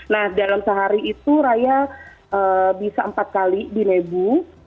nah dalam sehari itu raya bisa empat kali dinebu